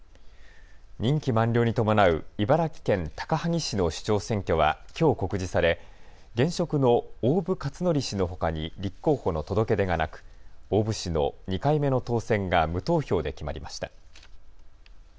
任期満了に伴う茨城県高萩市の市長選挙は、きょう告示され現職の大部勝規氏のほかに立候補の届け出がなく大部氏の２回目の当選が無投票で決まりました。